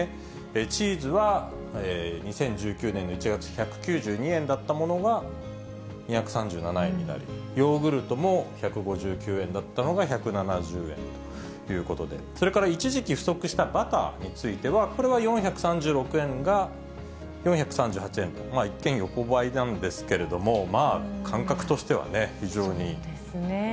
チーズは２０１９年の１月、１９２円だったものが２３７円になり、ヨーグルトも１５９円だったものが１７０円ということで、それから一時期不足したバターについては、これは４３６円が４３８円と、一見横ばいなんですけれども、まあ、感覚としてはね、そうですね。